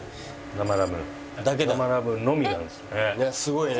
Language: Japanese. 生ラムのみなんですね。